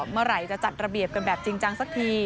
เมื่อไหร่จะจัดระเบียบกันแบบจริงจังสักที